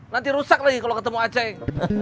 nanti rusak lagi kalau ketemu aceh